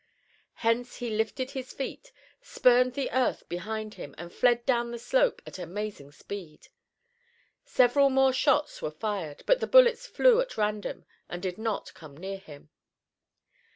Hence he lifted his feet, spurned the earth behind him and fled down the slope at amazing speed. Several more shots were fired, but the bullets flew at random and did not come near him.